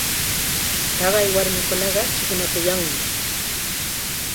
Taqay warmikunaqa chikinakuyanmi.